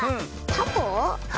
タコ？